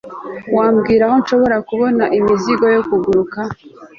wambwira aho nshobora kubona imizigo yo kuguruka